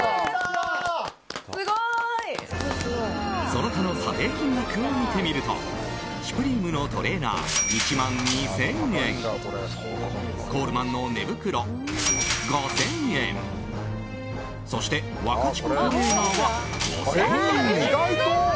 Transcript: その他の査定金額を見てみるとシュプリームのトレーナー１万２０００円コールマンの寝袋、５０００円そして、ワカチコトレーナーは５０００円に。